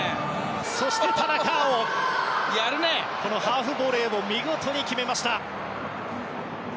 そして田中碧ハーフボレーを見事に決めました。